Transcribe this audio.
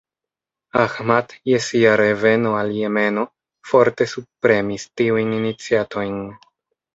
Ahmad je sia reveno al Jemeno forte subpremis tiujn iniciatojn.